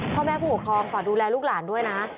พ่อแม่ผู้ปกครองฝากดูแลลูกหลานด้วยนะ